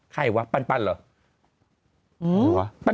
ใครวะปันเหรอ